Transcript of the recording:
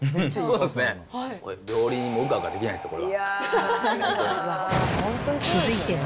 これは料理人もうかうかできないですよ、これは。